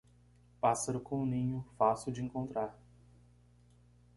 Pássaro com ninho, fácil de encontrar.